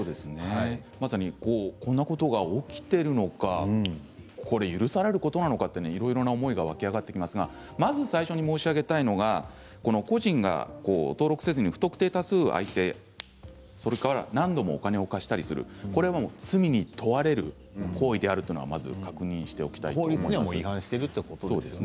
まさに、こんなことが起きているのか許されることなのかといろいろな思いが湧き上がってきますがまず最初に申し上げたいのは個人が登録せずに不特定多数を相手にそれから何度もお金を貸したりするこれは罪に問われる行為であるというのはまず確認しておきたいですね。